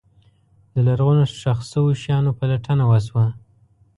د لرغونو ښخ شوو شیانو پلټنه وشوه.